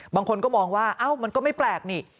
บางคนก็มองว่าเอ้ามันก็ไม่แปลกนี่